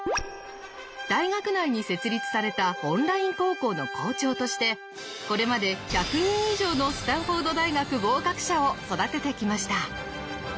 大学内に設立されたオンライン高校の校長としてこれまで１００人以上のスタンフォード大学合格者を育ててきました。